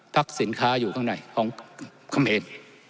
สินค้าอยู่ข้างในของคำเห็น